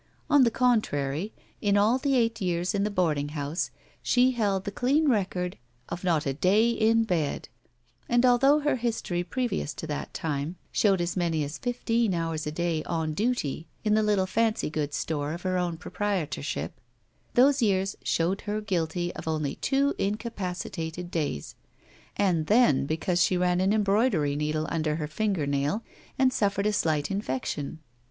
On the contrary, in all the eight years in the boarding house, she held the dean record of not a day in bed, and although her history previous to that time showed as many as 184 GUILTY fifteen hours a day on duty in the little fancy goods store of her own proprietorship, those years showed her guilty of only two incapacitated days, and then because she ran an embroidery needle tmder her finger nail and suff^ed a slight infection.